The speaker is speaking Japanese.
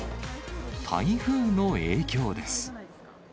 台風の影響です。